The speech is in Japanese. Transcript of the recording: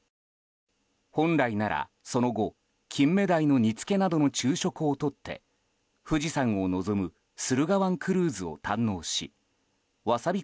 本来なら、その後金目鯛の煮つけなどの昼食をとって富士山を望む駿河湾クルーズを堪能しわさび